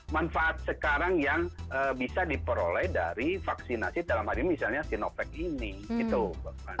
manfaat sekarang yang bisa diperoleh dari vaksinasi dalam adil misalnya sinovac ini